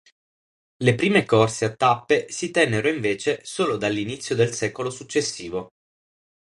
Le prime corse a tappe si tennero invece solo dall'inizio del secolo successivo.